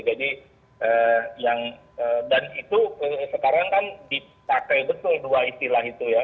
jadi yang dan itu sekarang kan dipakai betul dua istilah itu ya